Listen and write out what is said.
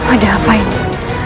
ada apa ini